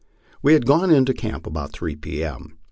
We' had gone into camp about 3 P. M.